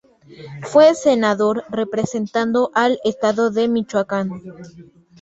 Fue senador representando al estado de Michoacán.